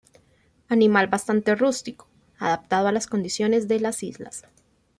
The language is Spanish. Animal bastante rústico, adaptado a las condiciones de las islas.